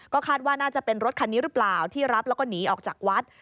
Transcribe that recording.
คาดว่าน่าจะเป็นรถคันนี้หรือเปล่าที่รับแล้วก็หนีออกจากวัด